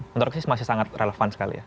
menurut aku sih masih sangat relevan sekali ya